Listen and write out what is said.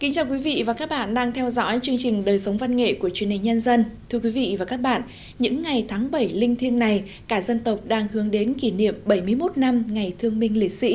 chào mừng quý vị đến với bộ phim hãy nhớ like share và đăng ký kênh của chúng mình nhé